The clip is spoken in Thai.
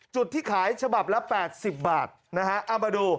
จุดที่ขายฉบับละ๘๐บาทนะฮะเอามาดู